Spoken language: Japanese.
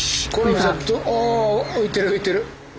木実さんあ浮いてる浮いてる。